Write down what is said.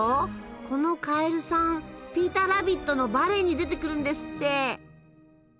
このカエルさん「ピーターラビット」のバレエに出てくるんですって。